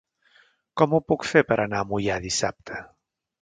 Com ho puc fer per anar a Moià dissabte?